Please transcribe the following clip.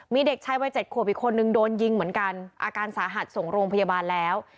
มีเด็กชายวัยเจ็ดขวบอีกคนนึงโดนยิงเหมือนกันอาการสาหัสส่งโรงพยาบาลแล้ว